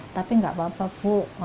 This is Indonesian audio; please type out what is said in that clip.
tapi nggak apa apa bu